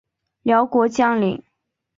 辽国将领。